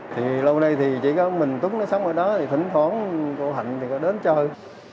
thì lâu nay thì chỉ có mình túng nó sống ở đó thì thỉnh thoáng cô hạnh thì có đến chơi